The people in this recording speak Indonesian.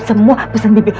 semua pesan bibi